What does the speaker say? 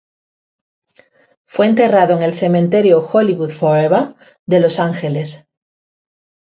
Fue enterrado en el Cementerio Hollywood Forever, de Los Ángeles.